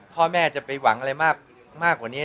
พ่อแม่จะไปหวังอะไรมากกว่านี้